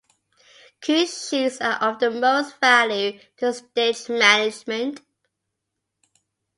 Cue sheets are of the most value to stage management.